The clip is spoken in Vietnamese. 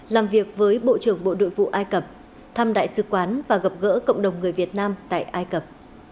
làm việc với bộ trưởng bộ đội vụ ai cập thăm đại sứ quán và gặp gỡ cộng đồng người việt nam tại ai cập